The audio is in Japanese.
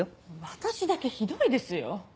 私だけひどいですよ。